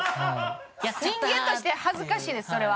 人間として恥ずかしいですそれは。